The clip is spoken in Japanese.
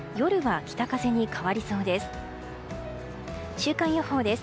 週間予報です。